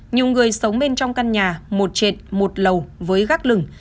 nhiều người sống bên trong căn nhà một trệt một lầu với gác lửng